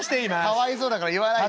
「かわいそうだから言わないで」。